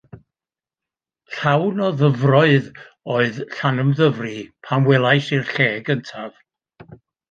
Llawn o ddyfroedd oedd Llanymddyfri pan welais i'r lle gyntaf.